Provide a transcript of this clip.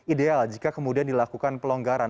ideal jika kemudian dilakukan pelonggaran